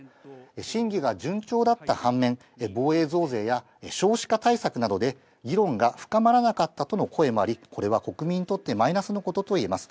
審議が順調だった反面、防衛増税や少子化対策などで議論が深まらなかったとの声もあり、これは国民にとってマイナスのことといえます。